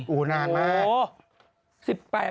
โอ้นานมาก